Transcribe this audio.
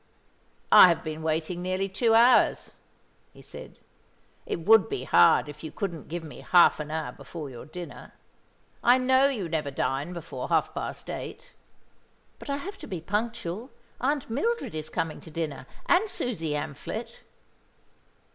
"I have been waiting nearly two hours," he said. "It would be hard if you couldn't give me half an hour before your dinner. I know you never dine before half past eight." "But I have to be punctual. Aunt Mildred is coming to dinner, and Susie Amphlett."